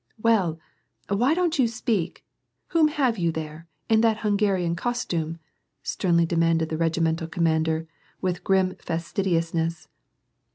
"Well, why don't you speak? Whom have you there, m that Hungarian costume ?" sternly demanded the regimental commander, with grim facetiousness.